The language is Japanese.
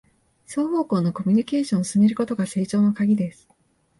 双方向のコミュニケーションを進めることが成長のカギです